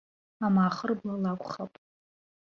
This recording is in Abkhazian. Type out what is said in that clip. Амаахыр-бла лакәхап.